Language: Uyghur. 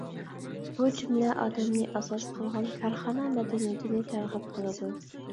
بۇ جۈملە ئادەمنى ئاساس قىلغان كارخانا مەدەنىيىتىنى تەرغىب قىلىدۇ.